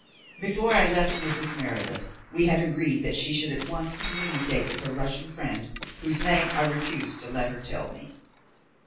Before I left Mrs. Meredith we had agreed that she should at once communicate with her Russian friend, whose name I refused to let her tell me.